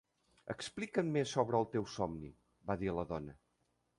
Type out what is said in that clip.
"Explica'm més sobre el teu somni", va dir la dona.